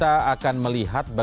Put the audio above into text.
dan eropa eropa yang terendah endah